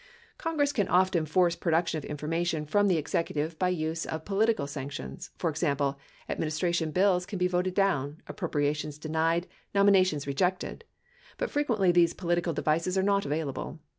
Congress can often force production of information from the execu tive by use of political sanctions — for example, administration bills can be voted down, appropriations denied, nominations rejected. But fre quently these political devices are not available.